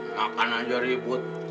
makan aja ribut